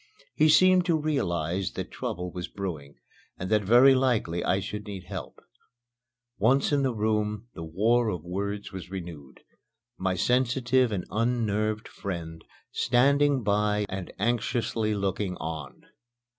He seemed to realize that trouble was brewing and that very likely I should need help. Once in the room, the war of words was renewed, my sensitive and unnerved friend standing by and anxiously looking on.